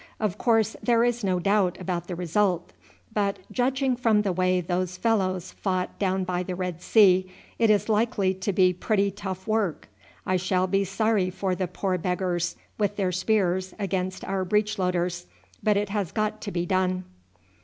Of course there is no doubt about the result; but, judging from the way those fellows fought down by the Red Sea, it is likely to be pretty tough work I shall be sorry for the poor beggars with their spears against our breech loaders, but it has got to be done."